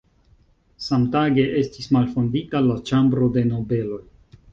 Samtage estis malfondita la Ĉambro de Nobeloj.